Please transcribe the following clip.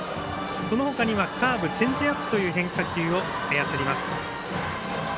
そのほかにはカーブチェンジアップというボールを操ります。